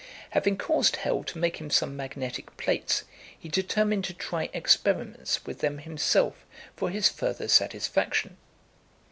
Having caused Hell to make him some magnetic plates, he determined to try experiments with them himself for his further satisfaction.